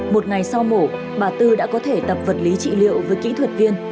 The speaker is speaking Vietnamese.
một ngày sau mổ bà tư đã có thể tập vật lý trị liệu với kỹ thuật viên